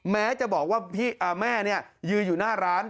แม้จะบอกว่าแม่ยืนอยู่หน้าร้าน